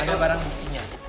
ada barang buktinya